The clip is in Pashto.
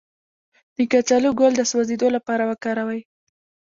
د کچالو ګل د سوځیدو لپاره وکاروئ